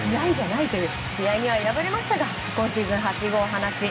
試合には敗れましたが今シーズン８号を放ち。